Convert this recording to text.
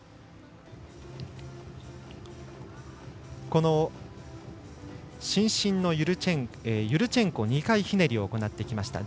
この伸身のユルチェンコ２回ひねりを行ってきました。